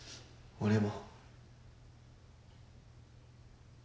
俺も。